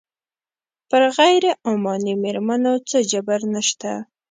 پر غیر عماني مېرمنو څه جبر نه شته.